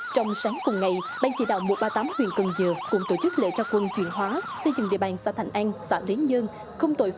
trong sáng cùng ngày ban chỉ đạo một trăm ba mươi tám huyện công dừa cùng tổ chức lễ trao quân chuyển hóa xây dựng địa bàn xã thành an